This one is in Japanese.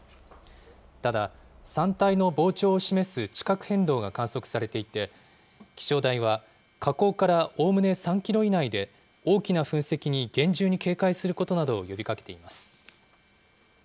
ただ、山体の膨張を示す地殻変動が観測されていて、気象台は火口からおおむね３キロ以内で、大きな噴石に厳重に警戒することなどを呼びかけています。